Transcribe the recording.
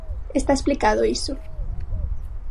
Está explicado iso.